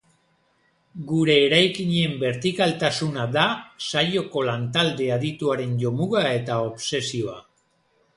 Gure eraikinen bertikaltasuna da saioko lantalde adituaren jomuga eta obsesioa.